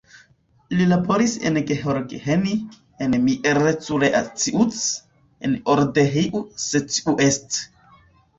Li laboris en Gheorgheni, en Miercurea Ciuc, en Odorheiu Secuiesc.